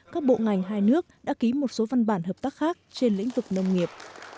các bộ ngành hai nước đã ký một số văn bản hợp tác khác trên lĩnh vực nông nghiệp